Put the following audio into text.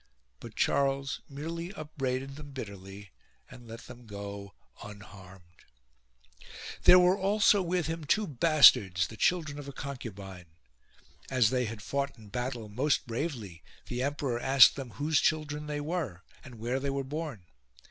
But Charles merely upbraided them bitterly and let them go unharmed. 4. There were also with him two bastards, the 108 EMBASSY TO CONSTANTINOPLE children of a concubine. As they had fought in battle most bravely, the emperor asked them whose children they were, and where they were born.